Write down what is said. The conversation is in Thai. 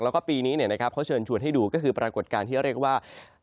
แล้วก็ปีนี้เขาเชิญชวนให้ดูก็คือปรากฏการณ์ที่เรียกว่า